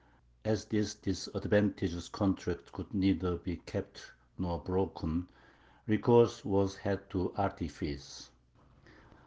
As this disadvantageous contract could neither be kept nor broken, recourse was had to artifice.